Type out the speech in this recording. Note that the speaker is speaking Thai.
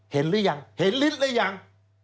หรือยังเห็นฤทธิ์หรือยัง